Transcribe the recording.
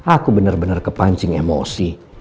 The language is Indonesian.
aku bener bener kepancing emosi